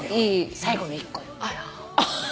最後の１個よ。